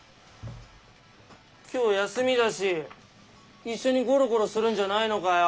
今日休みだし一緒にゴロゴロするんじゃないのかよ。